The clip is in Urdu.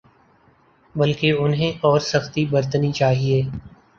بلکہ انہیں اور سختی برتنی چاہیے۔